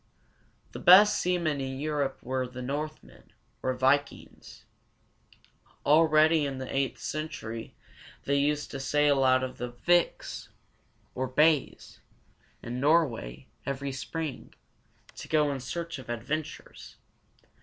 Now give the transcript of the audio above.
The best seamen in Europe were the Northmen, or vik´ings. Already in the eighth century they used to sail out of the viks, or bays, in Nor´way, every spring, to go in search of adventures.